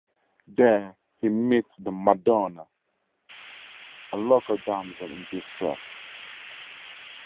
There, he meets the "Madonna", a local damsel in distress.